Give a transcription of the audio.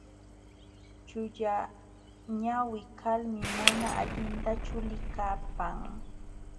Chullañawi kalmi mana allintachu likapan.